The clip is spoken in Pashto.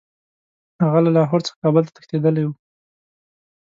هغه له لاهور څخه کابل ته تښتېتدلی وو.